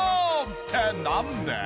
ってなんで？